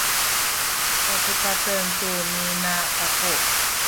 pacukaten tu ni ina kaku